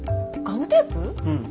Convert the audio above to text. うん。